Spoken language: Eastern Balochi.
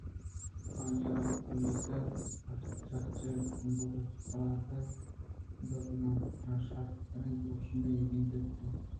آئی ءَ را وتی میتگ ءِ چرچ ءِ گمبدچہ قلات ءِ گمبد ءَ برز تر ءُ شرتریں درٛوشمےءَ گندگ اتک